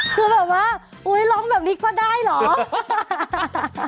คือแบบว่าอุ๊ยร้องแบบนี้ก็ได้เหรอ